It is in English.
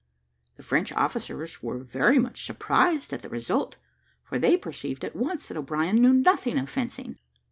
The French officers were very much surprised at the result, for they perceived at once that O'Brien knew nothing of fencing.